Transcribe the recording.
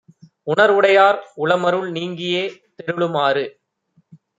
உணர்வுடையார் உளமருள் நீங்கியே தெருளுமாறு